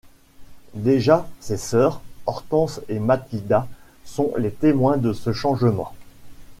Déjà, ses sœurs, Hortense et Matilda sont les témoins de ce changement.